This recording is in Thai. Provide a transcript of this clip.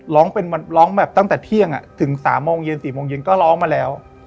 ร้องตั้งแต่เที่ยงถึง๓โมงเย็น๔โมงเย็นก็ร้องมาแล้ว